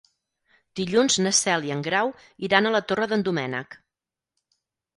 Dilluns na Cel i en Grau iran a la Torre d'en Doménec.